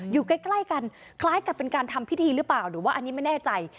อยู่ใกล้กันคล้ายกับเป็นการทำพิธีหรือเปล่าหรือว่าอันนี้ไม่แน่ใจ